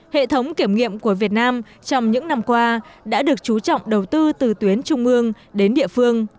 hệ thống kiểm nghiệm của việt nam trong những năm qua đã được chú trọng đầu tư từ tuyến trung ương đến địa phương